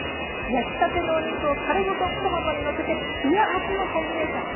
焼きたてのお肉をたれごとトマトにのせてひやあつのコンビネーション